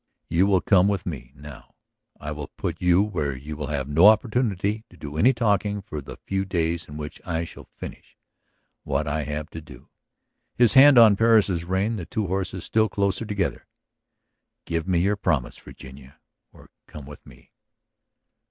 You will come with me, now. I will put you where you will have no opportunity to do any talking for the few days in which I shall finish what I have to do." His hand on Persis's rein drew the two horses still closer together. "Give me your promise, Virginia; or come with me!"